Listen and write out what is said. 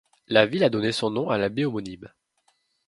La ville a donné son nom à la baie homonyme.